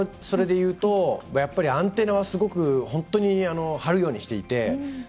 それでいうとやっぱりアンテナは、すごく本当に張るようにしていて。